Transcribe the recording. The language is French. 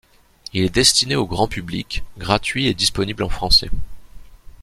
Il est destiné au grand public, gratuit et disponible en français.